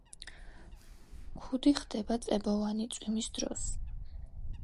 ქუდი ხდება წებოვანი წვიმის დროს.